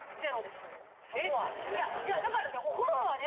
そこはいやだからねお風呂はね